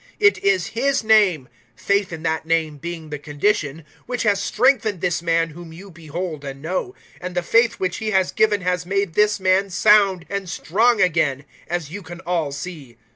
003:016 It is His name faith in that name being the condition which has strengthened this man whom you behold and know; and the faith which He has given has made this man sound and strong again, as you can all see.